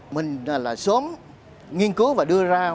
mình là sớm nghiên cứu và đưa ra